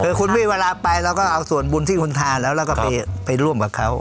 คือคุณไม่มีเวลาไปเราก็เอาส่วนบุญที่คุณทานแล้วแล้วก็ไปร่วมกับเขา